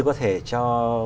có thể cho